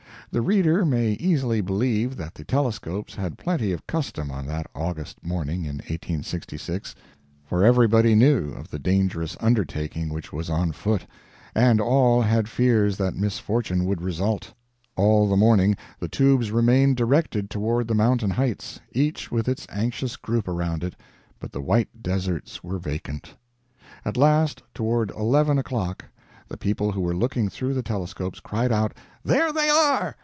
The reader may easily believe that the telescopes had plenty of custom on that August morning in 1866, for everybody knew of the dangerous undertaking which was on foot, and all had fears that misfortune would result. All the morning the tubes remained directed toward the mountain heights, each with its anxious group around it; but the white deserts were vacant. 1. Sir George Young and his brothers James and Albert. At last, toward eleven o'clock, the people who were looking through the telescopes cried out "There they are!"